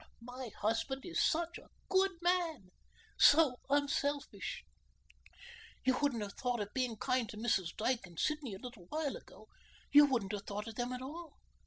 My husband is such a GOOD man. So unselfish. You wouldn't have thought of being kind to Mrs. Dyke and Sidney a little while ago. You wouldn't have thought of them at all.